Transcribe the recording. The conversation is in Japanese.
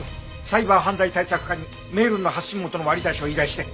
サイバー犯罪対策課にメールの発信元の割り出しを依頼して。